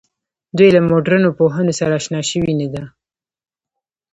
دوی له مډرنو پوهنو سره آشنا شوې نه ده.